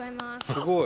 すごい。